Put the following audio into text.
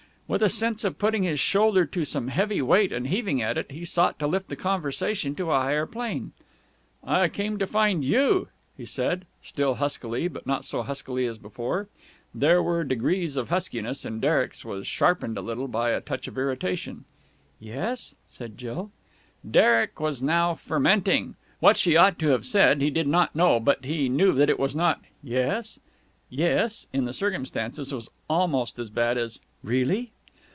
With a sense of putting his shoulder to some heavy weight and heaving at it, he sought to lift the conversation to a higher plane. "I came to find you!" he said; still huskily but not so huskily as before. There are degrees of huskiness, and Derek's was sharpened a little by a touch of irritation. "Yes?" said Jill. Derek was now fermenting. What she ought to have said, he did not know, but he knew that it was not "Yes?" "Yes?" in the circumstances was almost as bad as "Really?"